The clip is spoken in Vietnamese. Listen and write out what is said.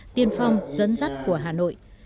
tiên phong dẫn dắt của hà nội